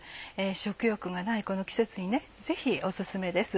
食欲がないこの季節にぜひお薦めです。